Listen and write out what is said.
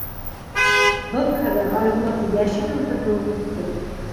Был хәбәр Айбулатты йәшен уты кеүек һуҡты.